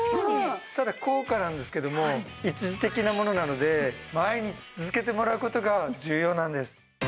ただ効果なんですけども一時的なものなので毎日続けてもらう事が重要なんです。